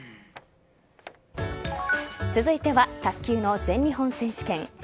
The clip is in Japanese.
続いては卓球の全日本選手権。